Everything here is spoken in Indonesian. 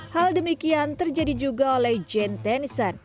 hal demikian terjadi juga oleh jane tennison